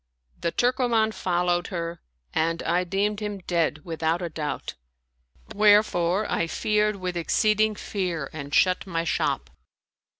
The Turkoman followed her and I deemed him dead with out a doubt; wherefore I feared with exceeding fear and shut my shop.